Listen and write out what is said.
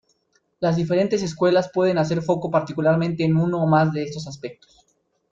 Las diferentes escuelas pueden hacer foco particularmente en uno o más de estos aspectos.